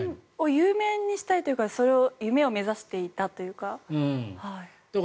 有名にしたいというか夢を目指していたというか。